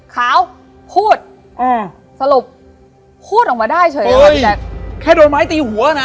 ขาวพูดอืมสรุปพูดออกมาได้เฉยแค่โดนไม้ตีหัวน่ะ